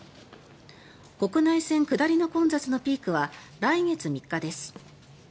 国内線下りの混雑のピークは来月３日です。